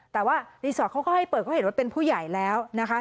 แต่ว่ารีสอร์ทเขาก็ให้เปิดเขาเห็นว่าเป็นผู้ใหญ่แล้วนะคะ